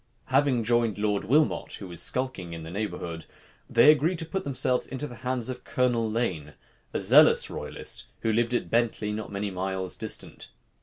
Having joined Lord Wilmot, who was skulking in the neighborhood, they agreed to put themselves into the hands of Colonel Lane, a zealous royalist, who lived at Bentley, not many miles distant.